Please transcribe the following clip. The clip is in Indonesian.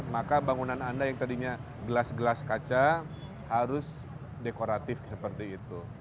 maka bangunan anda yang tadinya gelas gelas kaca harus dekoratif seperti itu